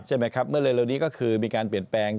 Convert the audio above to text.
ใช่ไหมครับเมื่อเร็วนี้ก็คือมีการเปลี่ยนแปลง